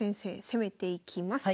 攻めていきます。